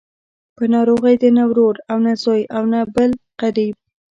په ناروغۍ دې نه ورور او نه زوی او نه بل قريب.